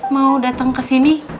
mau dateng kesini